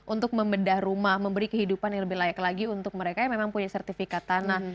untuk membedah rumah memberi kehidupan yang lebih layak lagi untuk mereka yang memang punya sertifikat tanah